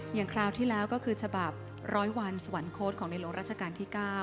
อย่างคราวที่แล้วก็คือฉบับร้อยวันสวรรค์โค้ดของในโลกราชการที่๙